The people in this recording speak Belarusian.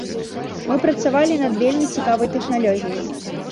Мы працавалі над вельмі цікавай тэхналогіяй.